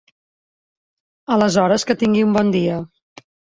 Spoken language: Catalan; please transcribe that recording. Aleshores que tingui un bon dia.